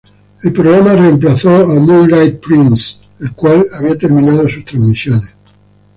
El programa reemplazó a "Moonlight Prince", el cual había terminado sus transmisiones.